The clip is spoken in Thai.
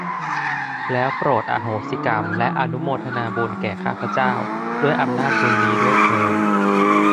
แล้วโปรดอโหสิกรรม และอนุโมทนาบุญแก่ข้าพเจ้า ด้วยอำนาจบุญนี้ด้วยเทอญ